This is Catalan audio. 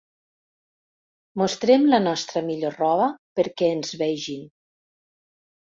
Mostrem la nostra millor roba perquè ens vegin.